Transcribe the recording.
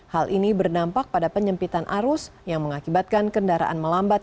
hal ini berdampak pada penyempitan arus yang mengakibatkan kendaraan melambat